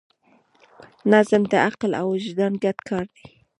نظم د عقل او وجدان ګډ کار دی.